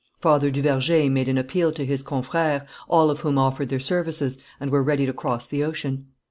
Father du Verger made an appeal to his confrères, all of whom offered their services, and were ready to cross the ocean.